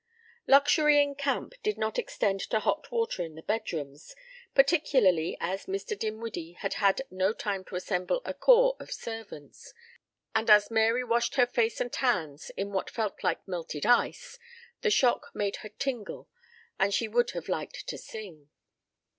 Luxury in camp did not extend to hot water in the bedrooms, particularly as Mr. Dinwiddie had had no time to assemble a corps of servants, and as Mary washed her face and hands in what felt like melted ice, the shock made her tingle and she would have liked to sing.